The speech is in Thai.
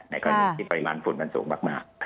กรณีที่ปริมาณฝุ่นมันสูงมาก